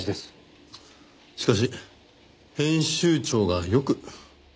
しかし編集長がよく。